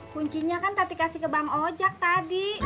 kuncinya kan tadi kasih ke bang ojak tadi